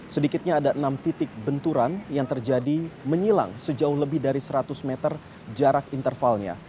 sedikitnya ada enam titik benturan yang terjadi menyilang sejauh lebih dari seratus meter jarak intervalnya